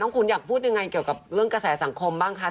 คุณอยากพูดยังไงเกี่ยวกับเรื่องกระแสสังคมบ้างคะ